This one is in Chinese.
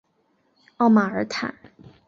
奥马尔坦。